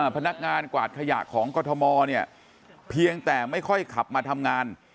พนักงานกวาดขยะของกรทมเนี่ยเพียงแต่ไม่ค่อยขับมาทำงาน